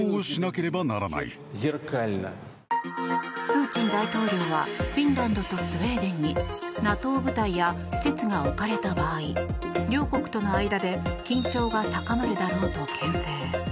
プーチン大統領はフィンランドとスウェーデンにＮＡＴＯ部隊や施設が置かれた場合両国との間で緊張が高まるだろうとけん制。